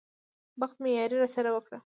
بخت مې ياري راسره وکړه.